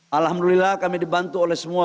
alhamdulillah kami dibantu oleh semua